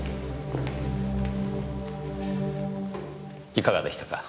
いかがでしたか？